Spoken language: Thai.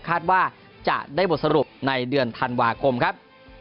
คาดว่าจะได้บทสรุปในเดือนธันวาคมครับ